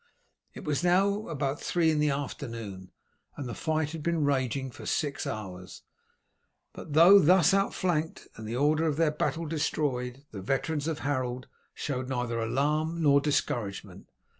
It was now about three in the afternoon, and the fight had been raging for six hours, but though thus outflanked and the order of their battle destroyed, the veterans of Harold showed neither alarm nor discouragement.